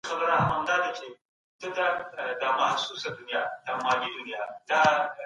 د دغي ودانۍ په انګړ کي مي خپل ارمانونه تازه کړل.